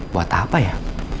buat apa ya